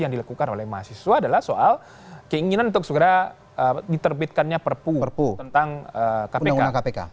yang dilakukan oleh mahasiswa adalah soal keinginan untuk segera diterbitkannya perpu tentang kpk